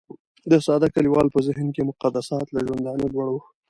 د ساده کليوال په ذهن کې مقدسات له ژوندانه لوړ وو.